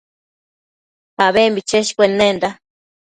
abembi cheshcuennenda